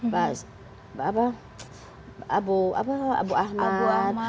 pak abu ahmad